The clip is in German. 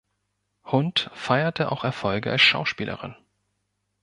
Hunt feierte auch Erfolge als Schauspielerin.